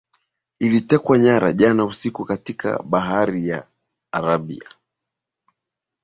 ilitekwa nyara jana usiku katika bahari ya arabia